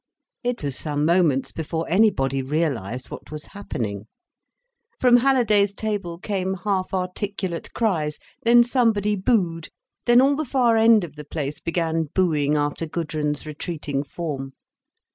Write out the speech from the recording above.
It was some moments before anybody realised what was happening. From Halliday's table came half articulate cries, then somebody booed, then all the far end of the place began booing after Gudrun's retreating form.